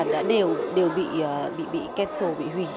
đã đều bị cancel bị hủy